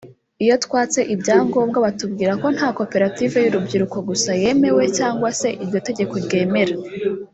Iyo twatse ibyangombwa batubwira ko nta koperative y’urubyiruko gusa yemeye cyangwa se iryo tegeko ryemera